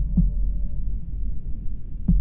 ร้องได้ร้องได้